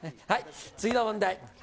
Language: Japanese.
次の問題。